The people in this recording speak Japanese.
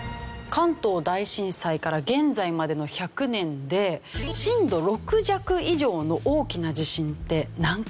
関東大震災から現在までの１００年で震度６弱以上の大きな地震って何回ぐらいあったと思いますか？